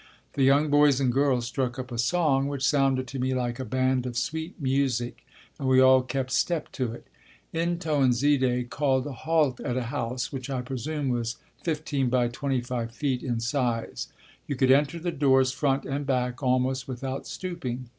The young boys and girls struck up a song which sounded to me like a band of sweet music and we all kept step to it. N'Toinzide called a halt at a house which I presume was 15 x 25 feet in size. You could enter the doors front and back almost without stooping.